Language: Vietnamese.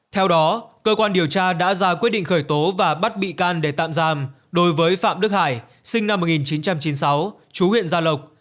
theo đó cơ quan điều tra đã ra quyết định khởi tố và bắt bị can để tạm giam đối với phạm đức hải sinh năm một nghìn chín trăm chín mươi sáu chú huyện gia lộc